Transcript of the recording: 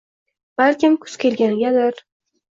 - Balkim, kuz kelganigadir...